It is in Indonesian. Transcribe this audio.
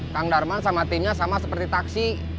kang darman sama timnya sama seperti taksi